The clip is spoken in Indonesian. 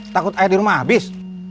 takut air di rumah habis